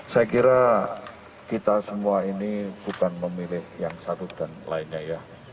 saya kira kita semua ini bukan memilih yang satu dan lainnya ya